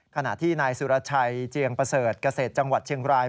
ขณะที่นายสุรชัยเจียงประเสริฐเกษตรจังหวัดเชียงราย